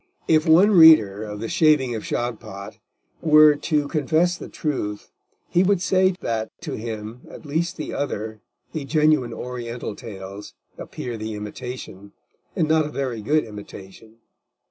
If one reader of The Shaving of Shagpat were to confess the truth he would say that to him at least the other, the genuine Oriental tales, appear the imitation, and not a very good imitation.